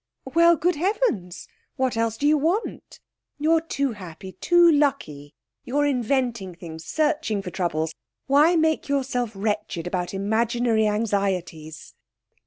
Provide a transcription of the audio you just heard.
'Well, good heavens! What else do you want? You're too happy; too lucky; you're inventing things, searching for troubles. Why make yourself wretched about imaginary anxieties?'